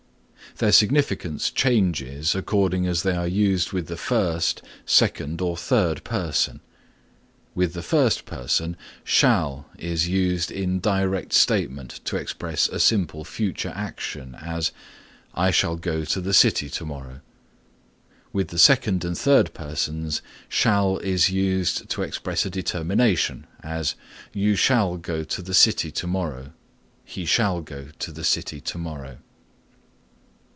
Their significance changes according as they are used with the first, second or third person. With the first person shall is used in direct statement to express a simple future action; as, "I shall go to the city to morrow." With the second and third persons shall is used to express a determination; as, "You shall go to the city to morrow," "He shall go to the city to morrow."